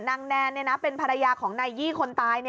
แนนเป็นภรรยาของนายยี่คนตาย